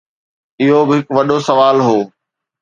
اهو به هڪ وڏو سوال هو